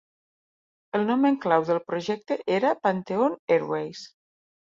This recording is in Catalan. El nom en clau del projecte era Pantheon Airways.